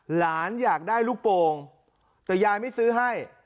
หลานอยากได้ลูกโป่งแต่ยายไม่ซื้อให้